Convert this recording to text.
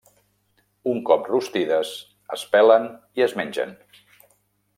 Un cop rostides es pelen i es mengen.